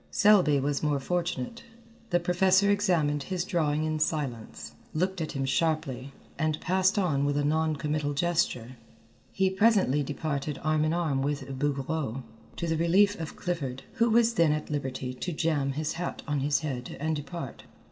Selby was more fortunate. The professor examined his drawing in silence, looked at him sharply, and passed on with a non committal gesture. He presently departed arm in arm with Bouguereau, to the relief of Clifford, who was then at liberty to jam his hat on his head and depart.